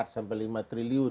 empat sampai lima triliun